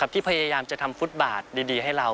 ที่พยายามจะทำฟุตบาทดีให้เรา